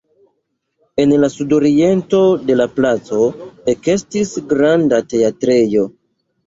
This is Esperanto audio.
En la sudoriento de la placo ekestis granda teatrejo.